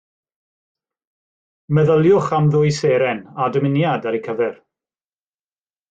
Meddyliwch am ddwy seren a dymuniad ar eu cyfer